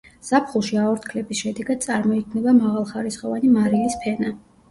ზაფხულში აორთქლების შედეგად წარმოიქმნება მაღალხარისხოვანი მარილის ფენა.